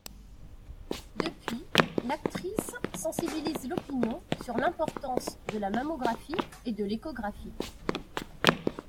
Depuis, l'actrice sensibilise l'opinion sur l'importance de la mammographie et de l'échographie.